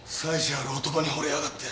ある男に惚れやがって。